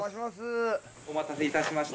お待たせいたしました。